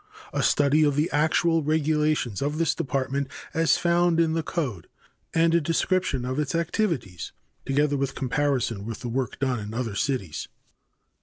A study of the actual regulations of this department as found in the code, and a description of its activities, together with comparison with the work done in other cities.